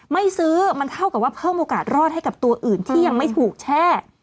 ไม่ซื้อมันเท่ากับว่าเพิ่มโอกาสรอดให้กับตัวอื่นที่ยังไม่ถูกแช่